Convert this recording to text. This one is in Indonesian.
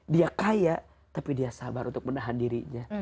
dia kaya tapi dia sabar untuk menahan dirinya